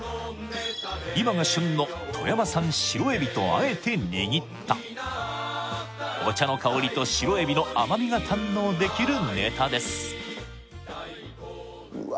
今が旬のとあえて握ったお茶の香りと白海老の甘みが堪能できるネタですうわ